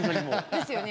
ですよね